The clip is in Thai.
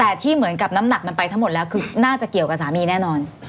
แต่ที่เหมือนกับน้ำหนักมันไปทั้งหมดแล้วคือน่าจะเกี่ยวกับสามีแน่นอน